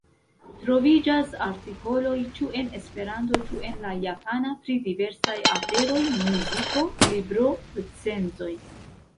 Troviĝas artikoloj ĉu en Esperanto ĉu en la Japana pri diversaj aferoj: muziko, libro-recenzoj.